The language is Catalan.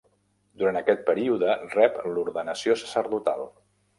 Durant aquest període rep l'ordenació sacerdotal.